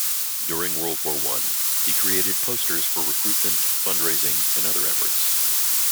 During World War One, he created posters for recruitment, fundraising, and other efforts.